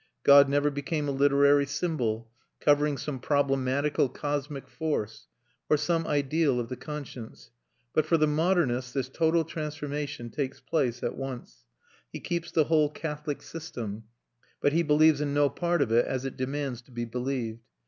God never became a literary symbol, covering some problematical cosmic force, or some ideal of the conscience. But for the modernist this total transformation takes place at once. He keeps the whole Catholic system, but he believes in no part of it as it demands to be believed.